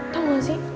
tau gak sih